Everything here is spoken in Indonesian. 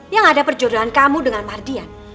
yang ada perjudulan kamu dengan mardian